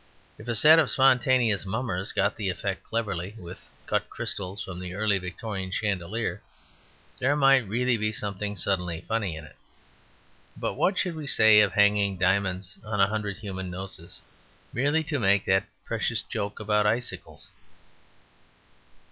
If a set of spontaneous mummers got the effect cleverly with cut crystals from the early Victorian chandelier there might really be something suddenly funny in it. But what should we say of hanging diamonds on a hundred human noses merely to make that precious joke about icicles?